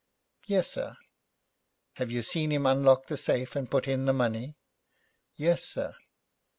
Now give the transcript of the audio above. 'Yes, sir.' 'Have you seen him unlock the safe and put in the money?' 'Yes, sir.'